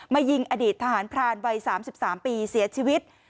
ยิงอดีตทหารพรานวัย๓๓ปีเสียชีวิต